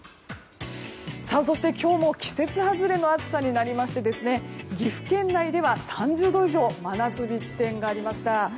そして今日も季節外れの暑さになりまして岐阜県内では３０度以上真夏日地点がありました。